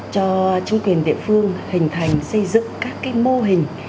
cho chính quyền địa phương hình thành xây dựng các mô hình